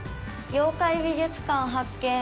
妖怪美術館、発見。